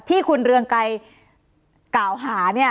ที่คุณเรืองไกรกล่าวหาเนี่ย